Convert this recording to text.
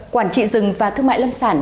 quản trị rừng và thương mại lâm sản